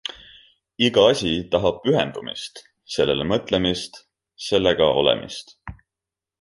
Iga asi tahab pühendumist, sellele mõtlemist, sellega olemist.